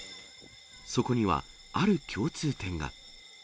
そこにはある共通点が。